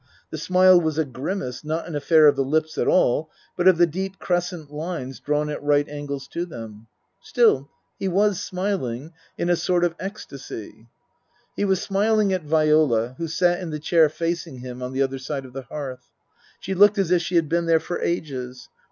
The smile was a grimace, not an affair of the lips at all, but of the deep crescent lines drawn at right angles to them. Still, he was smiling. In a sort of ecstasy. He was smiling at Viola, who sat in the chair facing him on the other side of the hearth. She looked as if she had been there for ages.